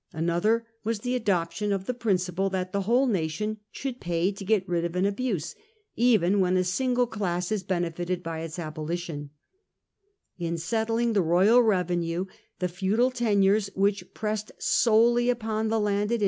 Another was the adoption of the principle that the whole nation should pay to get rid of an abuse, even when a single class is benefited by its aboli ai lition of ^ on n sett ^ n £ r °y a l revenue the feudal feudal tenures, which pressed solely upon the landed tenures.